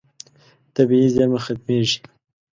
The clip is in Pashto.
طبیعي زیرمه ختمېږي.